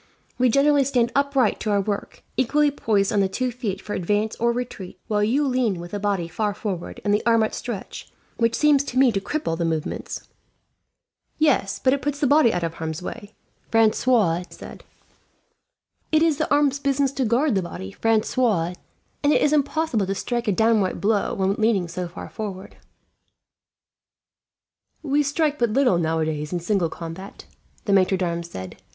We generally stand upright to our work, equally poised on the two feet for advance or retreat; while you lean with the body far forward and the arm outstretched, which seems to me to cripple the movements." "Yes, but it puts the body out of harm's way," Francois said. "It is the arm's business to guard the body, Francois, and it is impossible to strike a downright blow when leaning so far forward." "We strike but little, nowadays, in single combat," the maitre d'armes said.